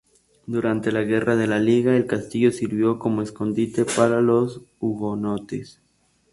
Durante la Guerra de la Liga, el castillo sirvió como escondite para los Hugonotes.